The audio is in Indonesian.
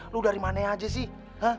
lu dari mananya aja sih